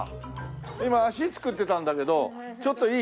今足作ってたんだけどちょっといい？